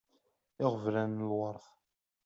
Iɣeblan n lwert.